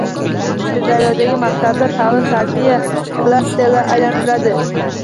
Sirdaryodagi maktablar ta’lim va tarbiya klasteriga aylantiriladi